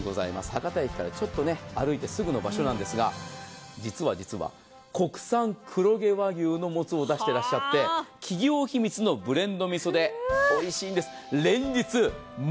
博多駅から歩いてすぐの場所なんですが、実は実は、国産黒毛和牛のもつを出していらっしゃって、企業秘密のブレンドみそでおいしいんです。